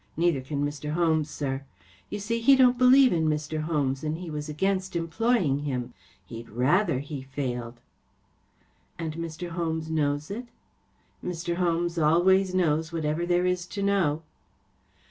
Neither can Mr. Holmes, sir. You see, he don’t believe in Mr. Holmes and he was against employing him. He’d rather he failed.‚ÄĚ ‚ÄĚ And Mr. Holmes knows it ? ‚ÄĚ 44 Mr. Holmes always knows whatever there is to know.